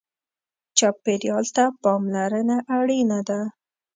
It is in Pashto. چاپېریال ته پاملرنه اړینه ده.